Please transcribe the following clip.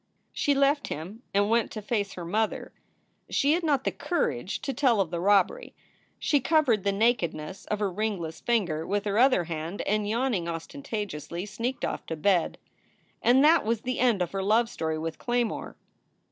She left him and went to face her mother. She had not the courage to tell of the robbery. She covered the naked ness of her ringless finger with her other hand and, yawning ostentatiously, sneaked off to bed. And that was the end of her love story with Claymore.